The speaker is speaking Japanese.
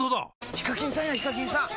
ヒカキンさんやヒカキンさん！